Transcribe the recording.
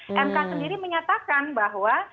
mk sendiri menyatakan bahwa